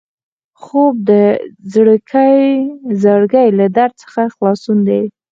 خوب د زړګي له درد څخه خلاصون دی